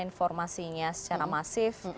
informasinya secara masif